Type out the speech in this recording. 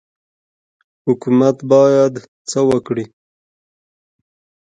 حکومت باید څه وکړي؟